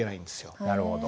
なるほど。